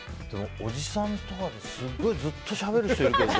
おじさんとかでずっとしゃべる人がいるけど。